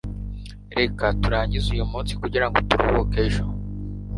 Reka turangize uyu munsi kugirango turuhuke ejo